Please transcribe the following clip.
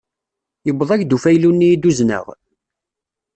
Yewweḍ-ak-d ufaylu-nni i d-uzneɣ?